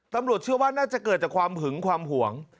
ตำรวจเชื่อว่าน่าจะเกิดจากความหึงความห่วง